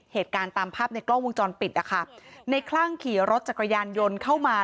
เหตุการณ์ตามภาพในกล้องวงจรปิดนะคะในคลั่งขี่รถจักรยานยนต์เข้ามา